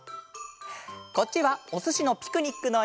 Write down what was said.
こっちは「おすしのピクニック」のえ！